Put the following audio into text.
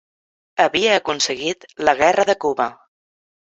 Havia aconseguit la guerra de Cuba.